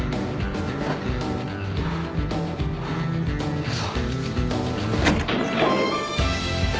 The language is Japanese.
行くぞ。